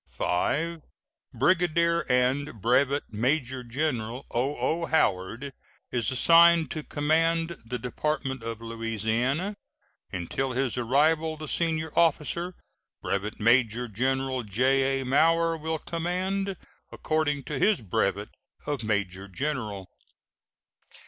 V. Brigadier and Brevet Major General O.O. Howard is assigned to command the Department of Louisiana. Until his arrival the senior officer, Brevet Major General J.A. Mower, will command, according to his brevet of major general.